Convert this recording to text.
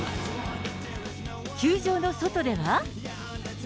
球場の外では。